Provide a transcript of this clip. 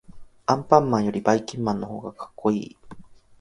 アンパンマンよりばいきんまんのほうがかっこいい。